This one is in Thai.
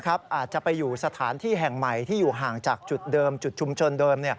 อาจจะไปอยู่สถานที่แห่งใหม่ที่อยู่ห่างจากจุดเดิมจุดชุมชนเดิม